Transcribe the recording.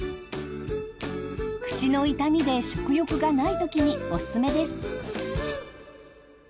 口の痛みで食欲がないときにオススメです。